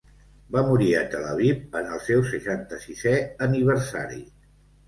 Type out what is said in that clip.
Va morir a Tel Aviv en el seu seixanta-sisè aniversari.